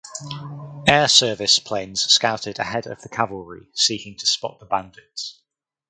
Air Service planes scouted ahead of the cavalry seeking to spot the bandits.